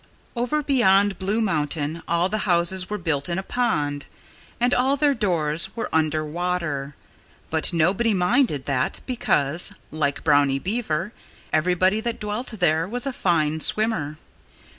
Over beyond Blue Mountain all the houses were built in a pond. And all their doors were under water. But nobody minded that because like Brownie Beaver everybody that dwelt there was a fine swimmer.